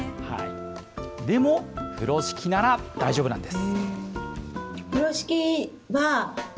でも風呂敷なら大丈夫なんです。